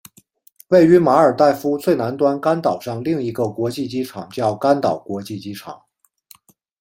位于马尔代夫最南端甘岛上另一个国际机场叫甘岛国际机场。